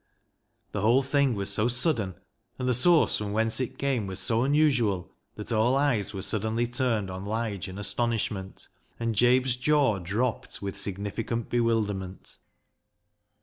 The whole thing was so sudden, and the source from whence it came was so unusual, that all eyes w^ere suddenly turned on Lige in astonishment, and Jabe's jaw dropped with sisfnificant bewilderment.